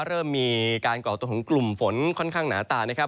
เริ่มมีการก่อตัวของกลุ่มฝนค่อนข้างหนาตานะครับ